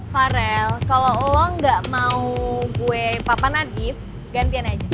farel kalau lo gak mau gue papa nadif gantian aja